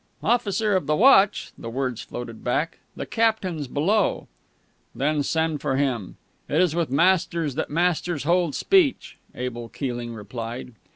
"Officer of the watch," the words floated back; "the captain's below." "Then send for him. It is with masters that masters hold speech," Abel Keeling replied.